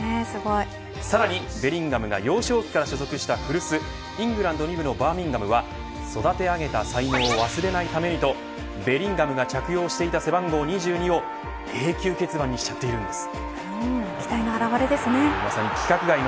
さらに、べリンガムが幼少期から所属した古巣イングランド２部のバーミンガムは育て上げた才能を忘れないためにとべリンガムが着用していた背番号２２を永久欠番にしているんです。